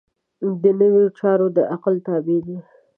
دنیوي چارې د عقل تابع دي.